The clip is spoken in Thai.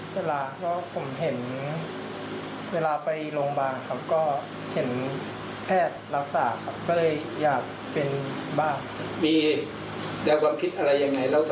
ช่วยอะไรวันนั้นอยากจะได้เรียนมอด้วย